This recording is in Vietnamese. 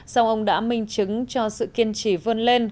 sau ông đã minh chứng cho sự kiên trì vươn lên